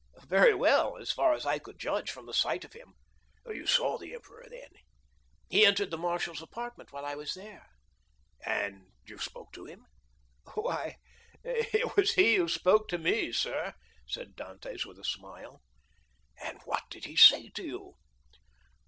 "Very well, as far as I could judge from the sight of him." "You saw the emperor, then?" "He entered the marshal's apartment while I was there." "And you spoke to him?" "Why, it was he who spoke to me, sir," said Dantès, with a smile. "And what did he say to you?"